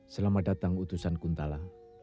selamat datang utusan kuntala